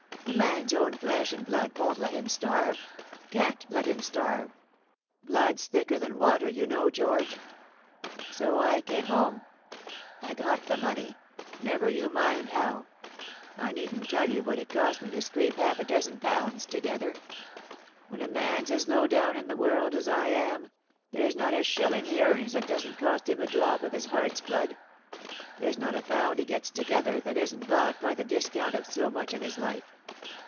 A man's own flesh and blood won't let him starve can't let him starve. Blood's thicker than water, you know, George. So I came home. I got the money; never you mind how. I needn't tell you what it cost me to scrape half a dozen pounds together. When a man's as low down in the world as I am, there's not a shilling he earns that doesn't cost him a drop of his heart's blood; there's not a pound he gets together that isn't bought by the discount of so much of his life.